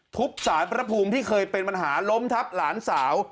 สารพระภูมิที่เคยเป็นปัญหาล้มทับหลานสาว